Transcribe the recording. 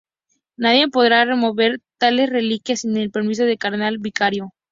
Nadie podría remover tales reliquias sin el permiso del cardenal vicario.